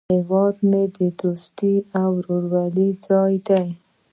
هیواد مې د دوستۍ او ورورولۍ ځای دی